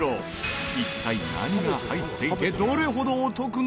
一体、何が入っていてどれほどお得なのか？